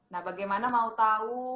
nah bagaimana mau tahu